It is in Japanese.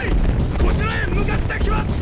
こちらへ向かってきます！！